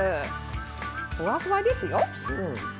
ふわふわですよ！